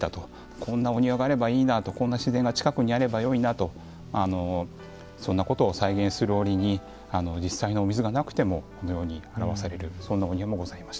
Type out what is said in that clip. こんなお庭があればいいなとこんな自然が近くにあればよいなとそんなことを再現する折に実際のお水がなくてもこのように表されるそんなお庭もございました。